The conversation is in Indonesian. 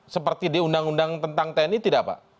seperti di undang undang tentang tni tidak pak